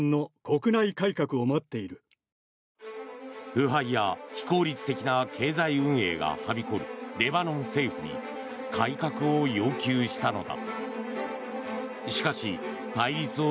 腐敗や非効率的な経済運営がはびこるレバノン政府に改革を要求したのだ。